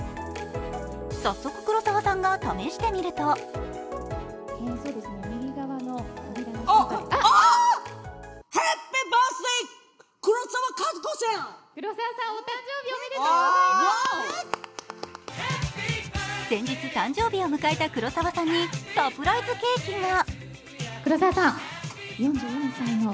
早速、黒沢さんが試してみると先日、誕生日を迎えた黒沢さんにサプライズケーキが。